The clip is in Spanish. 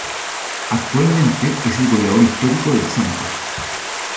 Actualmente es el goleador histórico del Santos.